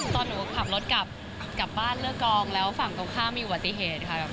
ตอนหนูขับรถกลับบ้านเลือกกองแล้วฝั่งตรงข้ามมีอุบัติเหตุค่ะ